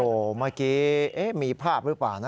โอ้โหเมื่อกี้มีภาพหรือเปล่านะ